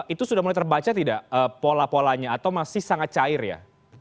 itu sudah mulai terbaca tidak pola polanya atau masih sangat cair ya